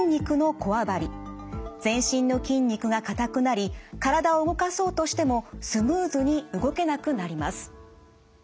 全身の筋肉が硬くなり体を動かそうとしてもスムーズに動けなくなります。